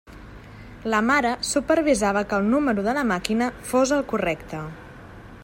La mare supervisava que el número de la màquina fos el correcte.